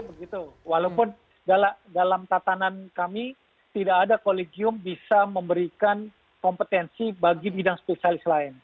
begitu walaupun dalam tatanan kami tidak ada kolegium bisa memberikan kompetensi bagi bidang spesialis lain